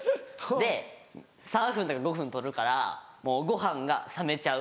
で３分とか５分撮るからもうごはんが冷めちゃう。